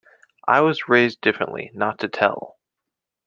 I was raised differently, not to tell...